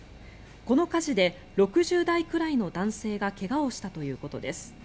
この火事で６０代くらいの男性が怪我をしたということです。